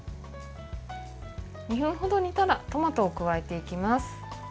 ２分程煮たらトマトを加えていきます。